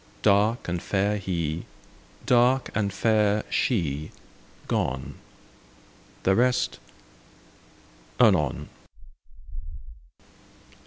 . Dark and fair He, dark and fair She, gone: The rest—anon.